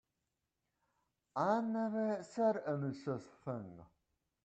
I never said any such thing.